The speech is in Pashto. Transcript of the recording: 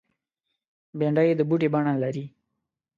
بېنډۍ د بوټي بڼه لري